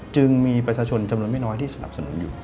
จึงมีประชาชนจำนวนไม่น้อยที่สนับสนุนอยู่